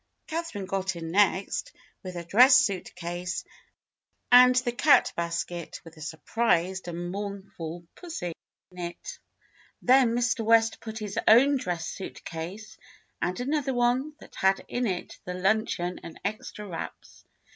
Catherine got in next, with her dress suit case and the cat basket with a surprised and mournful pussy 74 THE BLUE AUNT in it: then Mr. West put in his own dress suit case, and another one that had in it the luncheon and extra wraps.